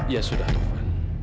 ya sudah tovan